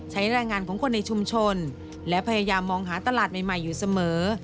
ใช้แรงงานของคนในชุมชนและพยายามมองหาตลาดใหม่อยู่เสมอ